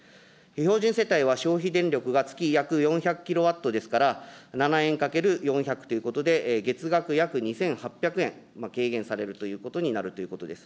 標準世帯は消費電力が約４００キロワットですから、７円かける４００ということで、月額約２８００円軽減されるということになるということです。